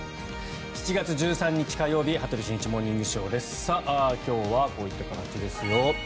７月１３日、火曜日「羽鳥慎一モーニングショー」。今日はこういった形ですよ。